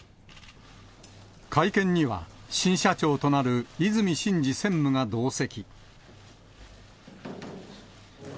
会見には、新社長となる和泉伸二専務が同席。